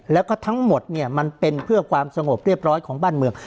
แล้วก็ทั้งหมดเนี่ยมันเป็นเพื่อความสงบเรียบร้อยของบ้านเมือง